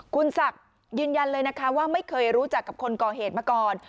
คุณศักดิ์ยืนยันเลยนะคะว่าไม่เคยรู้จักกับคนก่อเหตุมาก่อน